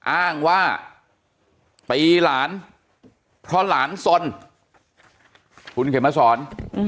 อ้างว่าตีหลานเพราะหลานสนคุณเข็มมาสอน